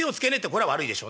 これは悪いでしょ？